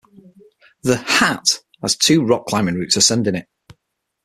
The "Hat"' has two rock climbing routes ascending it.